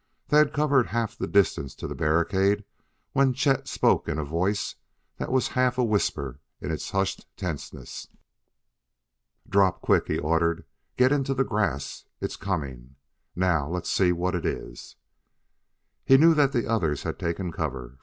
They had covered half the distance to the barricade when Chet spoke in a voice that was half a whisper in its hushed tenseness. "Drop quick!" he ordered. "Get into the grass. It's coming. Now let's see what it is." He knew that the others had taken cover.